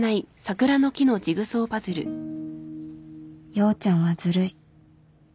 陽ちゃんはずるい